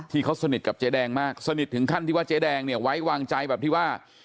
ที่เขาสนิทกับเจ๊แดงมากสนิทถึงขั้นที่ว่าเจ๊แดงเนี่ยไว้วางใจแบบที่ว่า